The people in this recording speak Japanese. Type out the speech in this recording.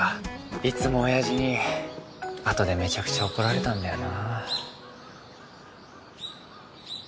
いつもおやじにあとでめちゃくちゃ怒られたんだよな。